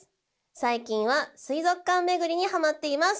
最近は水族館巡りにはまっています。